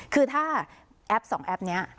คือถ้าแอป๒แอปนี้